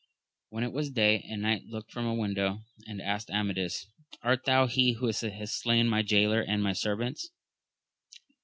When it was day, a knight looked from a window and asked Amadis, Art thou he who hast slain my jaylor and my servants?